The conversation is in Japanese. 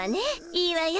いいわよ。